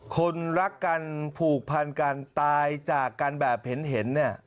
คนรักกันผูกพันกันตายจากกันแบบเห็นเนี่ย